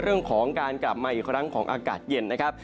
เรื่องของการกลับมาอีกครั้งของอากาศเย็นนะครับ